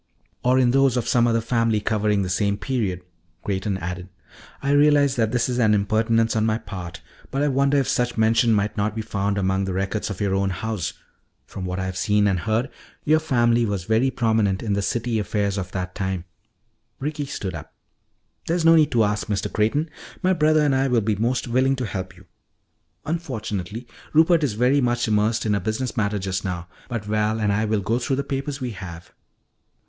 "Or in those of some other family covering the same period," Creighton added. "I realize that this is an impertinence on my part, but I wonder if such mention might not be found among the records of your own house. From what I have seen and heard, your family was very prominent in the city affairs of that time " Ricky stood up. "There is no need to ask, Mr. Creighton. My brother and I will be most willing to help you. Unfortunately, Rupert is very much immersed in a business matter just now, but Val and I will go through the papers we have."